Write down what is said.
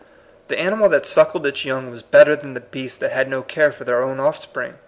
The animal that suckled its young was better than the beasts that had no care for their own offspring.